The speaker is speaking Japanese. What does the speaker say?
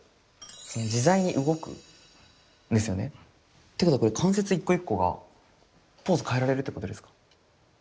自在に動くんですよね。ってことはこれ関節一個一個がポーズ変えられるってことですか？